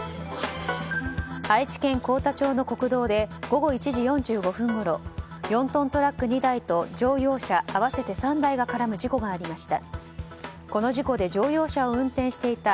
愛知県幸田町の国道で午後１時４５分ごろ４トントラック２台と乗用車合わせて３台が絡む事故がありました。